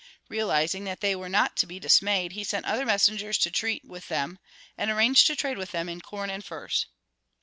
Realizing that they were not to be dismayed, he sent other messengers to treat with them, and arranged to trade with them in corn and furs.